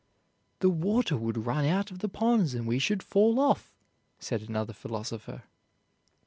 "The water would run out of the ponds and we should fall off," said another philosopher.